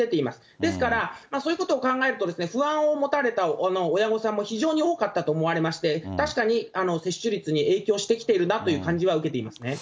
ですからそういうことを考えると、不安を持たれた親御さんも非常に多かったと思われまして、確かに接種率に影響してきているなという印象は受けていますね。